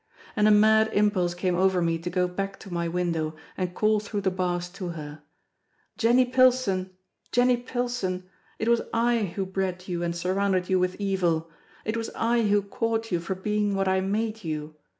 And a mad impulse came over me to go back to my window and call through the bars to her: "Jenny Pilson! Jenny Pilson! It was I who bred you and surrounded you with evil! It was I who caught you for being what I made you!